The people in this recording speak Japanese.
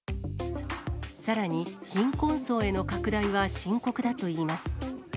さらに貧困層への拡大は深刻だといいます。